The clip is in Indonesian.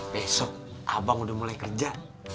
besok abang udah mulai kerja